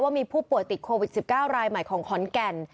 ว่ามีผู้ป่วยติดโควิด๑๙รายใหม่ของขอนแก่น